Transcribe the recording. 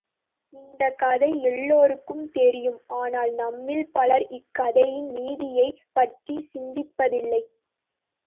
இந்தக் கதை எல்லோர்க்கும் தெரியும் ஆனால் நம்மில் பலர் இக் கதையின் நீதியைப் பற்றிச் சிந்திப்பதில்லை.